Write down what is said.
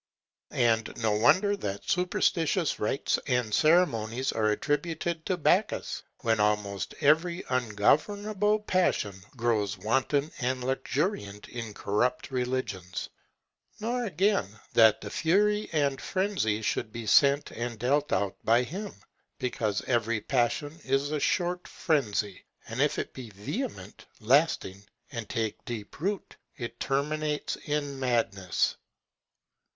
And no wonder that superstitious rites and ceremonies are attributed to Bacchus, when almost every ungovernable passion grows wanton and luxuriant in corrupt religions; nor again, that fury and frenzy should be sent and dealt out by him, because every passion is a short frenzy, and if it be vehement, lasting, and take deep root, it terminates in madness.